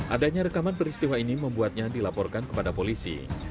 adanya rekaman peristiwa ini membuatnya dilaporkan kepada polisi